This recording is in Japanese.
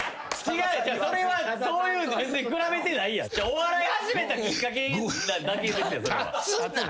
お笑い始めたきっかけなだけですよ。